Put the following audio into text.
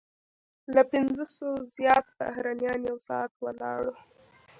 له پنځوسو زیات بهرنیان یو ساعت ولاړ وو.